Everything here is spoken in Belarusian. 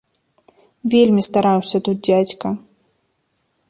Вельмі стараўся тут дзядзька.